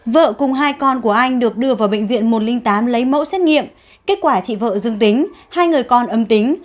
vợ cùng hai con của anh được đưa vào bệnh viện một trăm linh tám lấy mẫu xét nghiệm kết quả chị vợ dương tính hai người con âm tính